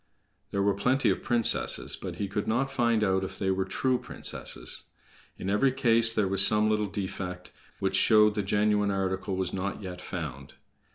There were plenty of princesses, but he could not find out if they were true princesses. In every case there was some little defect, which showed the genuine article was not yet found.